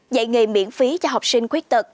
dạy nghề miễn phí cho học sinh khuyết tật